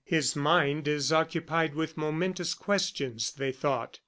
"His mind is occupied with momentous questions," they thought.